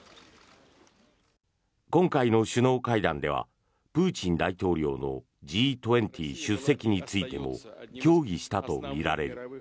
今回の首脳会談ではプーチン大統領のＧ２０出席についても協議したとみられる。